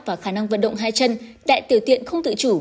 và khả năng vận động hai chân đại tử tiện không tự chủ